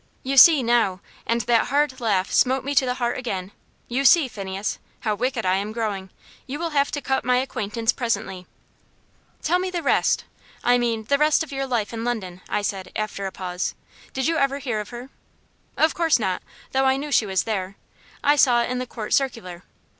"You see, now" and that hard laugh smote me to the heart again "you see, Phineas, how wicked I am growing. You will have to cut my acquaintance presently." "Tell me the rest I mean, the rest of your life in London," I said, after a pause. "Did you ever hear of her?" "Of course not; though I knew she was there. I saw it in the Court Circular.